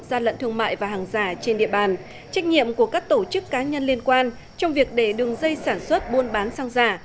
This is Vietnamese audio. gian lận thương mại và hàng giả trên địa bàn trách nhiệm của các tổ chức cá nhân liên quan trong việc để đường dây sản xuất buôn bán xăng giả